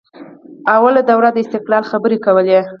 لومړۍ دوره د استقلال خبرې کولې